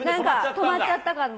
止まっちゃったかも。